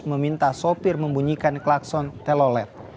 meminta sopir membunyikan klakson telolet